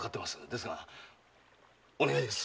ですがお願いです。